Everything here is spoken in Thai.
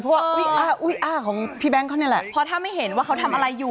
เพราะถ้าไม่เห็นว่าเขาทำอะไรอยู่